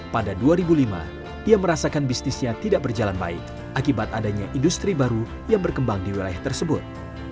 pada dua ribu lima dia merasakan bisnisnya tidak berjalan baik akibat adanya industri baru yang berkembang di wilayah tersebut